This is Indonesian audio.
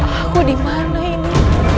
aku dimana ini